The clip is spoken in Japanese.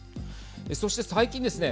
そして最近ですね